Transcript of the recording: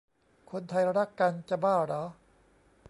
คนไทยรักกัน จะบ้าหรอ